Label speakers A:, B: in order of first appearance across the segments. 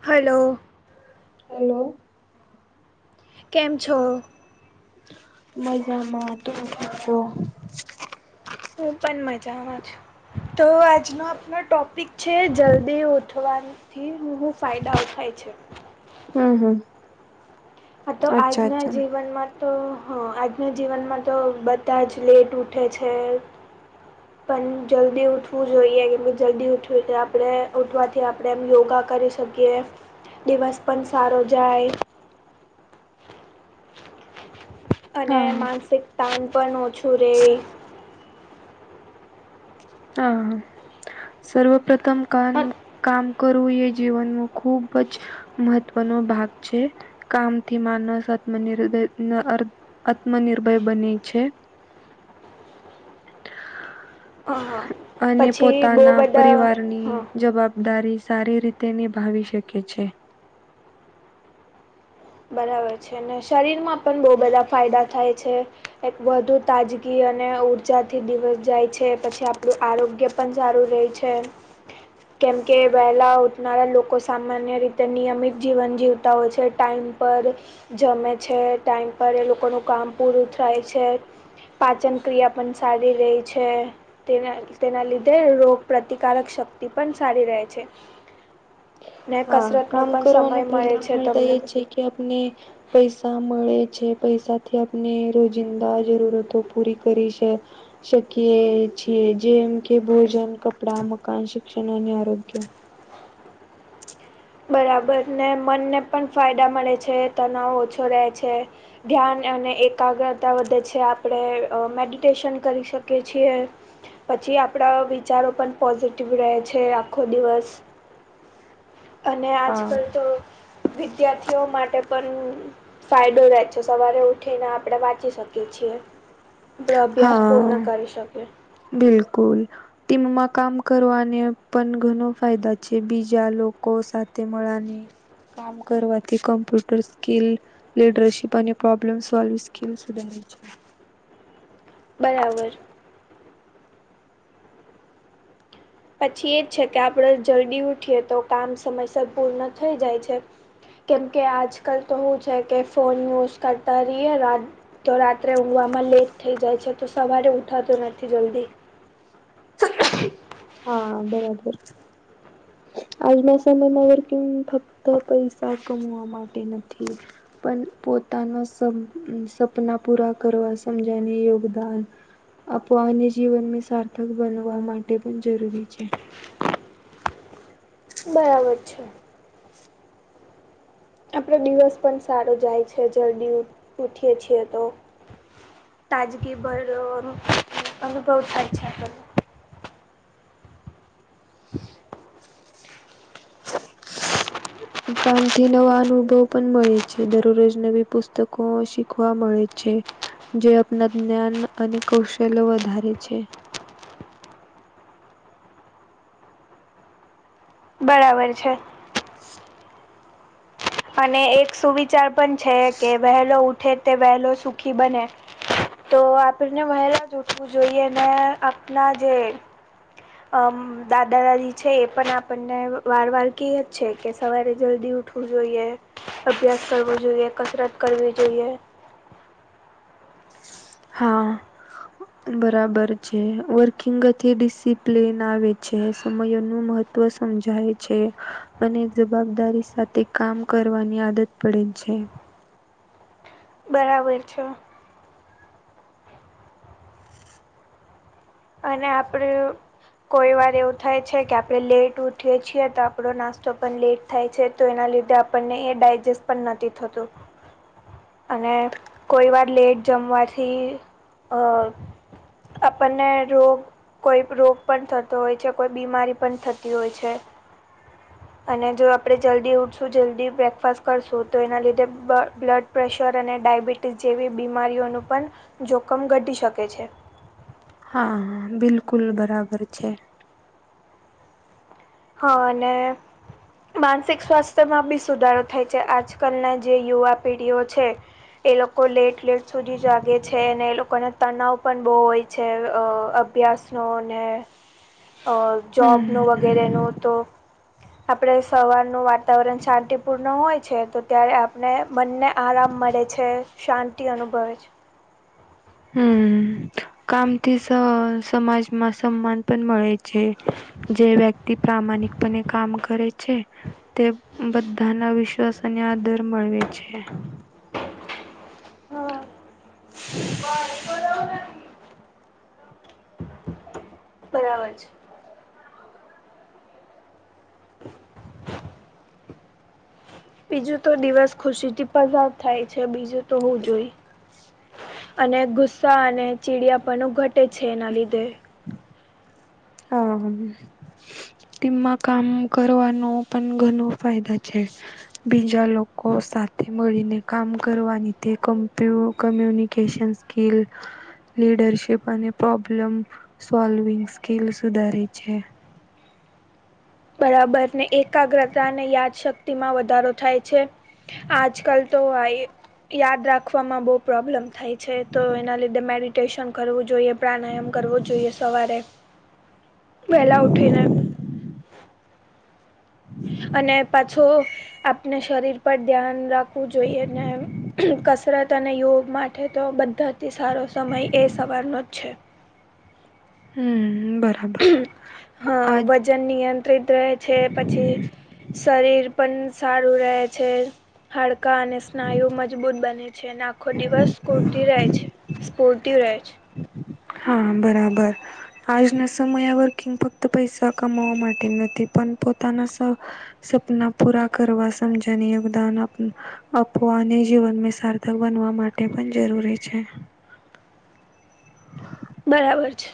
A: Hello
B: hello
A: કેમ છો
B: મજામાંતુંઠકોો
A: હું પણ મજા તો આજનો આપનો ટોપિક છે જલ્દી ઉઠવાનું થી હું ફાયદા ઉ થાય છે
B: હમ હમ
A: તો
B: અચ્છા
A: આજના
B: અચ્છા
A: જીવનમાં તો હ આજના જીવનમાં તો બધા જ લેટ ઉઠે છે પણ જલ્દી ઉઠવું જોઈએ કે ભ જલ્દી ઉઠવી આપણે ઉઠવાથી આપણે એમ યોગા કરી શકીએ કે દિવસ પણ સારો જાય અને
B: હા.
A: માનસિક તણ પણ ઓછું રહે
B: હ સર્વ પ્ર્રથમ કાન કામ કરવું એ જીવનનો ખુબ જ મહત્વનો ભાગ છે કામથી માનસ આત્મનિર્ભ આત્મનિર્ભર બને છે
A: હા
B: અને
A: પછી બહુ
B: પોતાના
A: બધા
B: પરિવારની
A: હા
B: જવાબદારી સારી રીતે નિભાવી શકે છે
A: બરાબર છે ને શરીરમાં પણ બહુ બધા ફાયદા થાય છે એક વધુ તાજગી અને ઉર્જાથી દિવસ જાય છે પછી આપણું આરોગ્ય પણઝાડું રહેે છે કેમકે વહેલાં ઉઠનારા લોકો સામાન્ય રીતે નિયમિત જીવન જીવતા હોય છે ટાઈઇમ પર જમે છે ટાઈમ પર એ લોકોનું કામ પૂરું થાય છે પાચન ક્રિયા પણ સારી રહી છે તેના તેના લીધે રોગ પ્રતિકારક શક્તિ પણ સારી રહે છે [inaudible]
B: હા
A: કસરતનો
B: કામ
A: પણ
B: કરવાનું
A: સમય મળે
B: પેલા
A: છે
B: ફાયદા એ
A: તમને
B: છે કે આપને પૈસા મળે છે પૈસા થી આપણે રોજિંદા જરૂરતો પૂરી કરી છે શકીએ છીએ જેમ કે ભોજન કપડા મકાન શિક્ષણ અને આરોગ્ય
A: બરાબર ને મનને પણ ફાયદા મળે છે તનાવ ઓછો રહે છે ધ્યાન અને એકાગ્રતા વધે છે આપણે મેડિટેશન કરી શકીએ છીએ પછી આપણા વિચારો પણ પોઝિટિવ રહે છે આખો દિવસ અને
B: હા
A: આજકાલ તો વિદ્યાર્થીઓ માટે પણ ફાયદો રહે છે સવારે ઉઠીને આપણે વાંચી શકીએ છીએ આપડો અભ્યાસ
B: હા
A: પૂર્ણ કરી શકે
B: બિલકુલ ટીમમાં કામ કરવાને પણ ઘણ ફાયદા છે બીજા લોકો સાથે મળવાને કામ કરવાથી કમ્પ્યુટર સ્કીિલ લીડરશીપ અને પ્રોબ્લેમ સોલ્વ સ્કી સુધ છે
A: બરાબર પછી એ જ છે કે આપણે જલ્દી ઉઠીએ તો કામ સમયસર પૂર્ણ થઈ જાય છે કેમકે આજકાલ તો હું છે કે ફોન યુઝ કરતા રહીએ રા તો રાત્રે ઉવામાં લેટ થઈ જાય છે તો સવારે ઉઠાત નથી જલ્દી
B: હા બરાબર આજના સમયમાં વક ફક્ત પૈસા કમવા માટે નથી પણ પોતાના સ સપના પૂરા કરવા સમજાયને યોગદાન અવાહન્ય જીવન સાર્થક બનવા માટે પણ જરૂરી છે
A: બરાબર છે આપડો દિવસ પણ સારો જાય છે જર્દી ઉઠીએ છીએ તો તાજગી ભર અુ બ અચ્છા કર [inaudible]
B: કામથી નવા અનુભવ પણ મળે છે દરરોજ નવી પુસ્તકો શીખવા મળે છે જે આપણા જ્ઞાન અને કૌશલ્ય વધારે છે
A: બરાબર છે અને એક સુવિચાર પણ છે કે વહેલો ઉઠે તે વહેલો સુખી બને તો આપણને વહેલા જ ઉઠવું જોઈએ અને આપણા જે અમ દાદા દાદી છે એ પણ આપણને વાર વાર ક છે કે સવારે જલ્દી ઉઠવું જોઈએ અભ્યાસ કરવો જોઈએ કસરત કરવી જોઈએ
B: હા બરાબર છે વર્કિંગથી ડિસિપ્લન આવે છે સમય નો મહત્વ તવ સમજાય છે અને જવાબદારી સાથે કામ કરવાની આદત પડે છે
A: બરાબર છે અને આપડે કોઈ વાર એવું થાય છે કે આપણે લેટ ઉઠીએ છીએ તો આપણો નાસ્તો પણ લેટ થાય છે તો એના લીધે આપણને એ ડાયજેસ્ટ પણ નથી થતું અને કોઈ વાર લેટ જમવાથી અ આપને રોગ કોઈ રોગ પણ થતો હોય છે કોઈ બીમારી પણ થતી હોય છે અને જો આપણે જલ્દી ઉઠશું જલ્દી બ્રેકફાસ્ટ કરશું તો એના લીધે બ્લડ પ્રેશર અને ડાાયબિટીસ જેવી બીમારીઓનું પણ જોખમ ઘટી શકે છે
B: હા હા બિલકુલ બરાબર છે
A: હ અને માનસિક સ્વાસ્થ્યમાં બી સુધારો થાય છે આજકાલના જે યુવા પેઢીઓ છે એ લોકો લેટ લેટ સુધી જાગે છે અને એ લોકોને તનાવ પણ બહુ હોય છે અભ્યાસનો ને
B: હમ
A: જોબનો વગેરેનો તો આપણે સવારનું વાતાવરણ શાંતિપૂર્ણ હોય છે તો ત્યારે આપણે બંને આરામ મળે છે શાંતિ અનુભવે છે
B: હમ કામથી સ સમાજમાં સન્માન પણ મળે છે જે વ્યક્તિ પ્રામાણિકપણે કામ કરે છે તે બધાના વિશ્વાસ અને આદર મળવે છે
A: હા [unintelligible] બરાબર છે [inaudible] બીજું તો દિવસ ખુશી થી પસાર થાય છે બીજું તો હું જોઈ અને ગુસ્સા અને ચીડિયા પણ ઘટે છે એના લીધે
B: હા હ તેમમાં કામ કરવાનો પણ ઘણ ફાયદા છે બીજા લોકો સાથે મળીને કામ કરવાની તેમ સ્કી લીડરશિપ અને પ્રોબ્લેમ સાલ્વંગ ખેલ સુધારે છે
A: બરાબરને એકાગ્રતા અને યાદશક્તિમાં વધારો થાય છે આજકાલ તો આ યાદ રાખવામાં બહુ પ્રોબ્લમ થાય છે તો એના લીધે મેરી ટેસન કરવું જોઈએ પ્રાણાયામ કરવું જોઈએ સવારે વહેલા ઉઠીને અને પાછો આપણે શરીર પર ધ્યાન રાખવું જોઈએ ને કસરત અને યોગ માટે તો બધાથી સારો સમય એ સવારનો જ છે
B: હમ્મ બરા
A: હા વજન નિયંત્રિત રહે છે પછી શરીર પણ સારું રહે છે હાડકા અને આયુ મજબૂત બને છે અને આખો દિવસ સ્કૂર્તી રહે છે સ્પૂર્તિ રહે છે.
B: હા બરાબર. આજના સમય વર્કિંગ ફક્ત પૈસા કમાવા માટે નથી પણ પોતાના સ સપના પૂરા કરવા સમજણને યોગદાન આપ આપવા અને જીવન સાર્થક બનવા માટે પણ જરૂરી છે.
A: બરાબર છે.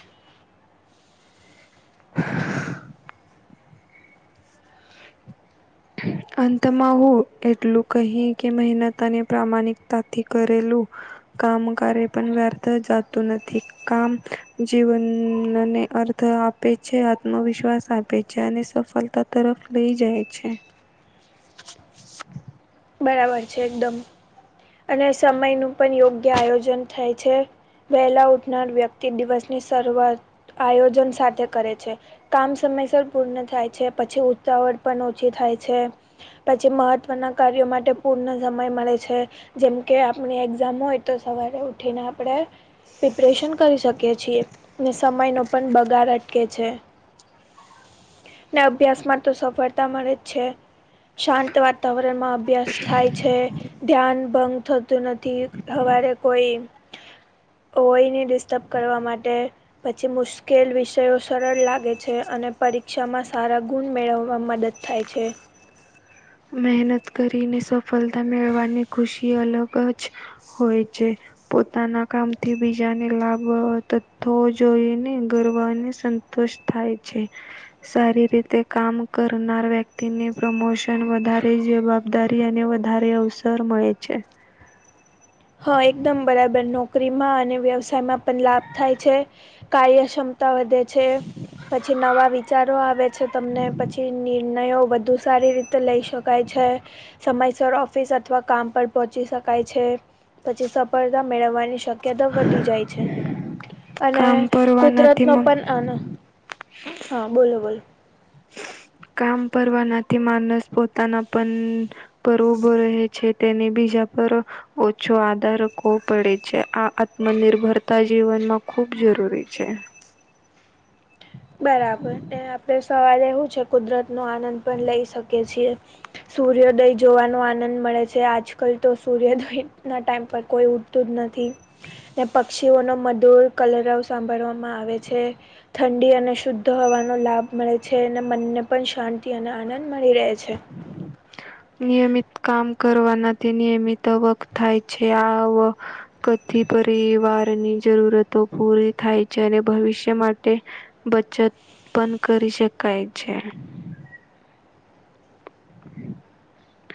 B: અંતમાં હું એટલું કહી કે મહેનત અને પ્રામાણિકતાથી કરેલું કામ કાર્ય પણ વ્યર્થ જતું નથી. કામ જીવનને અર્થ આપે છે આત્મવિશ્વાસ આપે છે અને સફળ. તતા તરફ લઈ જાય છે.
A: બરાબર છે એકદમ. અને સમય નું પણ યોગ્ય આયોજન થાય છે. વહેલા ઉઠનાર વ્યક્તિ દિવસની શરૂઆત આયોજન સાથે કરે છે. કામ સમયસર પૂર્ણ થાય છે પછી ઉતાવળ પણ ઓછી થાય છે. પછી મહત્વના કાર્યો માટે પૂર્ણ સમય મળે છે. જેમ કે આપણી એક્ઝામ હોય તો સવારે ઉઠીને આપણે. પ્રિપરેશન કરી શકીએ છીએ ને સમય નો પણ બગાડ અટકે છે. ને અભ્યાસમાં તો સફળતા મળે જ છે શાંત વાતાવરણમાં અભ્યાસ થાય છે ધ્યાન ભંગ થતું નથી હવારે કોઈ હોયને ડિસ્ટર્બ કરવા માટે પછી મુશ્કેલ વિષયો સરળ લાગે છે અને પરીક્ષામાં સારા ગુણ મેળવવા મદદ થાય છે.
B: મહેનત કરીને સફળતા મેળવાની ખુશી અલગ જ હોય છે. પોતાના કામથી બીજાને લાભ તથો જોઈને ગર્વને સન સંતોષ થાય છે સારી રીતે કામ કરનાર વ્યક્તિની પ્રમોશન વધારે જવાબદારી અને વધારે અવસર મળે છે.
A: હા એકદમ બરાબર નોકરીમાં અને વ્યવસાયમાં પણ લાભ થાય છે. કાર્ય સમતા વધે. છે પછી નવા વિચારો આવે છે તમને પછી નિર્ણયો વધુ સારી રીતે લઈ શકાય છે સમયસર ઓફિસ અથવા કામ પર પહોંચી શકાય છે. પછી સફળતા મેળવવાની. શક્યતા વધી જાય છે અને
B: કામ
A: કુદરત
B: કરવાનાથી
A: નો પણ આનો હા બોલો બોલો
B: કામ કરવાનાથી માનસ પોતાના પણ. પર ઉભો રહે છે તેની બીજા પર ઓછો આધાર રાખવો પડે છે આ આત્મનિર્ભરતા જીવનમાં ખૂબ જરૂરી છે.
A: બરાબર આપડે સવારે એવું છે કુદરત નો આનંદ પણ લઈ શકીએ છીએ. સૂર્યોદય જોવાનો આનંદ મળે છે આજકાલ તો સૂર્યોદય ના ટાઈમ પર કોઈ ઉઠ તું જ નથી. ને પક્ષીઓ ન મધુર કલરવ સાંભળવામાં આવે છે. ડી અને શુદ્ધ હવાનો લાભ મળે છે, અને મનને પણ શાંતિ અને આનંદ મળી રહે છે. હ.
B: નિયમિત કામ કરવાના નિયમિત આવક થાય છે આ. કથ પરિવારની જરૂરતો પૂરી થાય છે અને ભવિષ્ય માટે. બચત પણ કરી શકાય છે.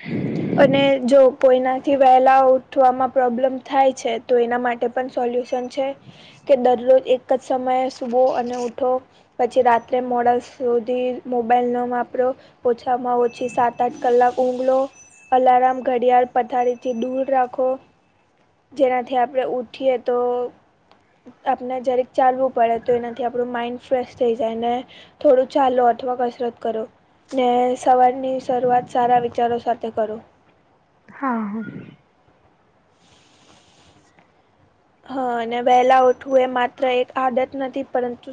B: હ.
A: અને જો કોઈનાથી વહેલા ઉઠવામાં પ્રોબ્લેમ થાય છે, તો એના માટે. સોલ્યુશન છે કે દરરોજ એક જ સમયે સુવો અને ઉઠો. પછી રાત્રે મોડા સુધી મોબાઈલ નો વાપરો. ઓછામાં ઓછી સાત-આઠ કલાક ઊંધો. અલારામ ઘડિયાળ પથારીથી દૂર રાખો. જેનાથી આપણે ઉઠીએ તો આપણે જરાક ચાલવું પડે તો એનાથી આપણું માઇન્ડ ફ્રેશ થઈ જાય ને. થોડું ચાલો અથવા કસરત કરો. ને સવારની શરૂઆત સારા વિચારો સાથે કરો.
B: હા હા.
A: હા, અને વહેલા ઉઠવું એ માત્ર એક આદત નથી પરંતુ.